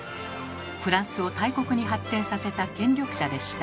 フランスを大国に発展させた権力者でした。